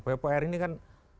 soal pupr pupr ini kan